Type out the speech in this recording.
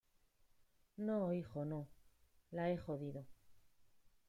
no, hijo, no. la he jodido.